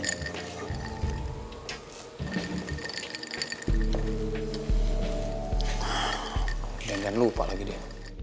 jangan lupa lagi dia